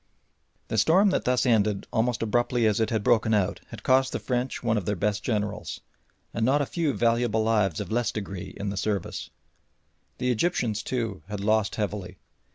The storm that thus ended almost as abruptly as it had broken out had cost the French one of their best generals, and not a few valuable lives of less degree in the service. The Egyptians, too, had lost heavily.